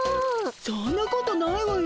そんなことないわよ。